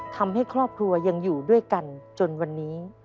ทำให้ครอบครัวยังอยู่ด้วยกันจนวันนี้